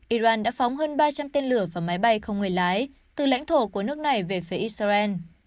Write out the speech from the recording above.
iran đã phóng hơn ba trăm linh tên lửa và máy bay không người lái từ lãnh thổ của nước này về phía israel